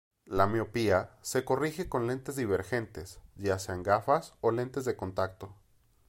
La miopía se corrige con lentes divergentes, ya sean gafas o lentes de contacto.